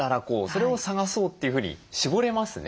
「それを探そう」というふうに絞れますね。